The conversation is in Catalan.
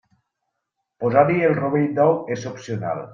Posar-hi el rovell d'ou és opcional.